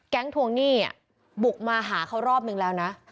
ทวงหนี้บุกมาหาเขารอบนึงแล้วนะ